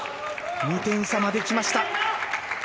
２点差まできました。